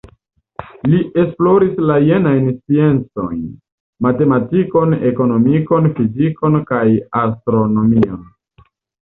Li esploris la jenajn sciencojn: matematikon, ekonomikon, fizikon kaj astronomion.